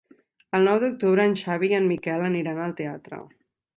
El nou d'octubre en Xavi i en Miquel aniran al teatre.